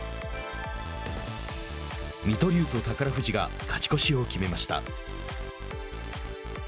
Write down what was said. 水戸龍と宝富士が勝ち越しを決めました。